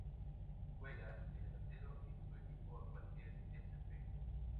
Juega de Delantero y su equipo actual es Sp.